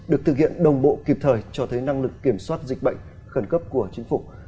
được thực hiện đồng bộ kịp thời cho thấy năng lực kiểm soát dịch bệnh khẩn cấp của chính phủ